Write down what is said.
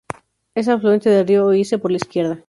Es afluente del río Oise por la izquierda.